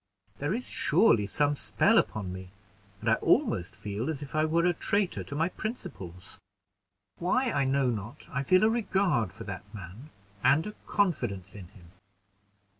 There is surely some spell upon me, and I almost feel as if I were a traitor to my principles. Why I know not, I feel a regard for that man, and a confidence in him.